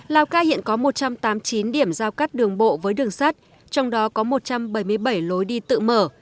lào ca hiện có một trăm tám mươi chín điểm giao cắt đường bộ với đường sắt trong đó có một trăm bảy mươi bảy lối đi tự mở